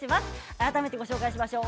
改めてご紹介しましょう。